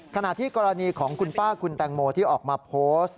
ขณะที่กรณีของคุณป้าคุณแตงโมที่ออกมาโพสต์